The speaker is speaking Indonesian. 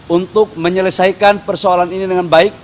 untuk menyelesaikan persoalan ini dengan baik